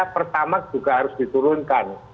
pertamak juga harus diturunkan